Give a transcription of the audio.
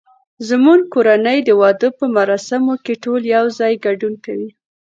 زمونږ کورنۍ د واده په مراسمو کې ټول یو ځای ګډون کوي